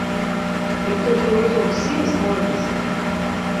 Як толькі ў аўтобус селі, стала весела.